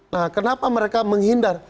nah kenapa mereka menghindar